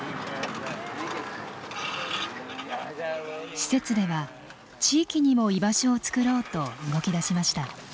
施設では地域にも居場所をつくろうと動きだしました。